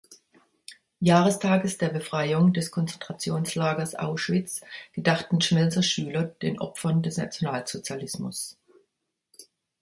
Jahrestages der Befreiung des Konzentrationslagers Auschwitz gedachten Schmelzer Schüler den Opfern des Nationalsozialismus.